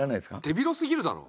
手広すぎるだろ。